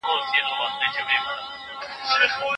د ښوونکو د ږغ اورېدو لپاره مناسبې رسنۍ نه وي.